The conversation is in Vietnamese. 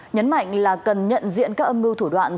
nhấn mạnh là cần nhận diện các âm mưu thủ đoạn